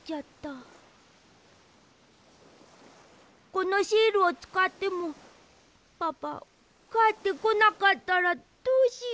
このシールをつかってもパパかえってこなかったらどうしよう。